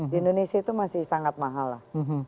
di indonesia itu masih sangat mahal lah